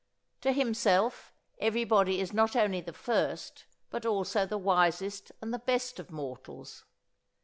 To himself everybody is not only the first but also the wisest and the best of mortals.